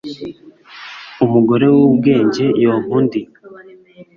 umugore w'ubwenge yonka undi